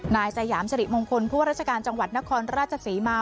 นายสายหยามสริมงคลผู้รัชกาลจังหวัดนครราชศรีมาร์